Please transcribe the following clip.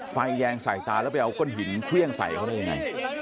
แยงใส่ตาแล้วไปเอาก้อนหินเครื่องใส่เขาได้ยังไง